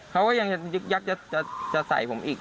เขาก็ยังจะยึกยักจะใส่ผมอีก